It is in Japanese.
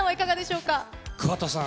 桑田さん。